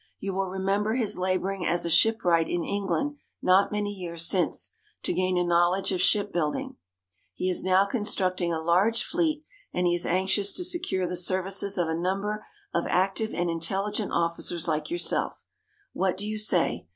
You will remember his labouring as a shipwright in England not many years since, to gain a knowledge of ship building He is now constructing a large fleet, and he is anxious to secure the services of a number of active and intelligent officers like yourself. What do you say?